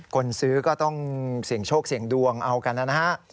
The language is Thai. คนซื้อก็ต้องเสี่ยงโชคเสี่ยงดวงเอากันนะฮะ